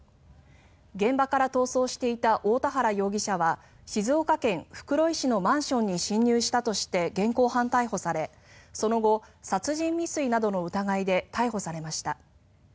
現場から逃走していた大田原容疑者は静岡県袋井市のマンションに侵入したとして現行犯逮捕されその後、殺人未遂などの疑いで逮捕されました。